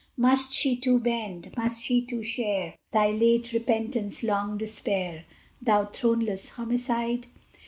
Must she too bend, must she too share Thy late repentance, long despair, Thou throneless Homicide?